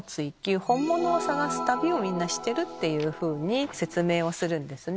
本物を探す旅をみんなしてるっていうふうに説明するんですね。